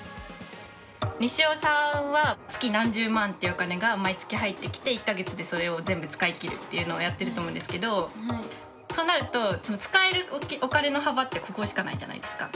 にしおさんは月何十万っていうお金が毎月入ってきて１か月でそれを全部使いきるっていうのをやってると思うんですけどそうなると使えるお金の幅ってここしかないじゃないですか。